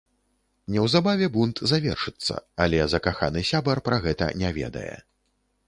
Неўзабаве бунт завершыцца, але закаханы сябар пра гэта не ведае.